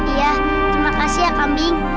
iya terima kasih ya kambing